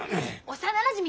幼なじみ